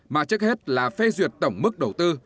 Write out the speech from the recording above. mà trước hết là phê duyệt tổng mức đầu tư